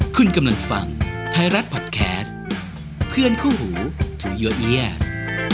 คุณกำลังฟังไทยรัฐพอดแคสต์เพื่อนคู่หูจูเยอร์เอียส